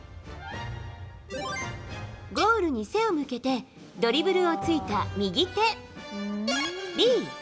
Ａ、ゴールに背を向けてドリブルをついた右手。